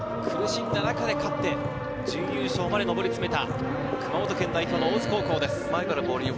さらには１対０、苦しんだ中で勝って、準優勝まで上り詰めた熊本県代表の大津高校です。